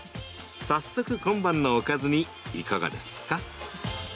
早速、今晩のおかずにいかがですか？